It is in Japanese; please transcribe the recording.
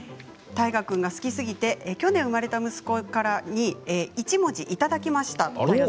太賀君が好きすぎて去年生まれた息子に一文字いただきました。